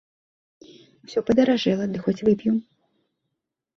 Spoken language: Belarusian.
Усё падаражэла, дык хоць вып'ю.